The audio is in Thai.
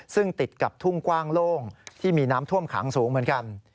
ซึ่งติดกับทุ่งกว้างโล่งที่มีน้ำท่วมขังสูงเหมือนกัน